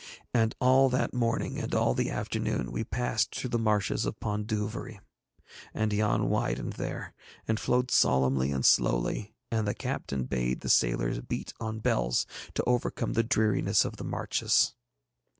And all that morning and all the afternoon we passed through the marshes of Pondoovery; and Yann widened there, and flowed solemnly and slowly, and the captain bade the sailors beat on bells to overcome the dreariness of the marches.